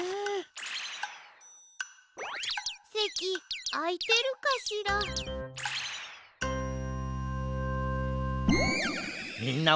うん？